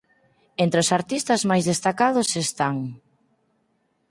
Entre os artistas máis destacados están;